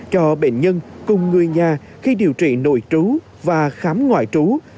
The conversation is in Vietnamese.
cho bệnh nhân cùng người nhà khi điều trị nội trú và khám ngoại trú